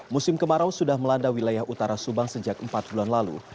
musim kemarau sudah melanda wilayah utara subang sejak empat bulan lalu